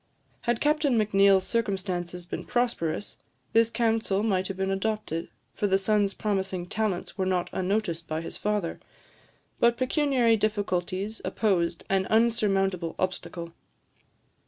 Had Captain Macneill's circumstances been prosperous, this counsel might have been adopted, for the son's promising talents were not unnoticed by his father; but pecuniary difficulties opposed an unsurmountable obstacle.